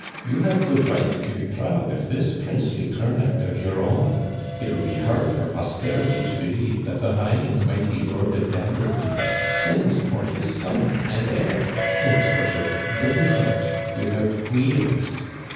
You have good right to be proud of this princely turn out of your own ! It will be hard for posterity to believe that Digitized by VjOOQIC 30 THE CANADIANS OF OLD. the high and mighty lord of D'Haberville sends for his son and heir in a sort of dung cart without wheels!